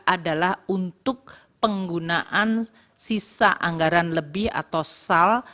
adalah untuk penggunaan sisa anggaran lebih atau sal